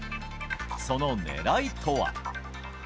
そのねらいとは。